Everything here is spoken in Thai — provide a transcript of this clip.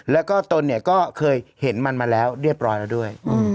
แล้วก็ตนเนี่ยก็เคยเห็นมันมาแล้วเรียบร้อยแล้วด้วย